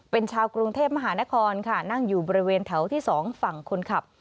เป็นชาวกรุงเทพมหานครค่ะนั่งอยู่บริเวณแถวที่๒ฝั่งคนขับ